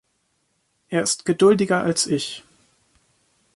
Er ist geduldiger als ich.